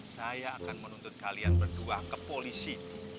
saya akan menuntut kalian berdua ke polisi